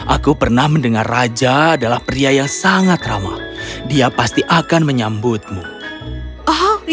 aku pernah mendengar raja adalah pria yang bersyukur dan aku sangat senang aku tahu kau sebenarnya tidak begitu peduli padaku